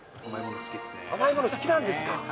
甘いもの、好きなんですか？